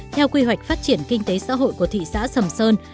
theo quy hoạch phát triển kinh tế xã hội của thị xã sầm sơn